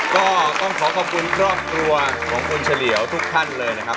ก็ต้องขอขอบคุณครอบครัวของคุณเฉลี่ยวทุกท่านเลยนะครับ